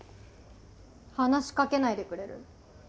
話しかけないでくれる？